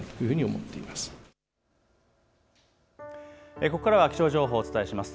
ここからは気象情報をお伝えします。